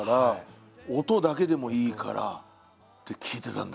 音だけでもいいからって聞いてたんだ。